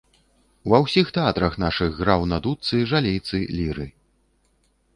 Ва ўсіх тэатрах нашых граў на дудцы, жалейцы, ліры.